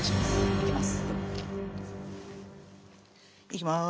いきます。